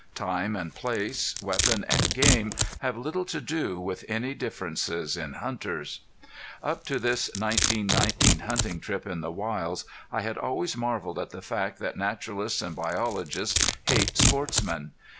Time and place, weapon and game have little to do with any differences in hunters. Up to this 1919 hunting trip in the wilds I had always marveled at the fact that naturalists and biologists hate sportsmen.